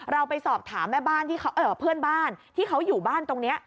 เราไปสอบถามแม่บ้านเพื่อนบ้านที่เขาอยู่บ้านตรงนี้